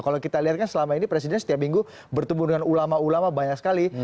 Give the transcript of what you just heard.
kalau kita lihat kan selama ini presiden setiap minggu bertemu dengan ulama ulama banyak sekali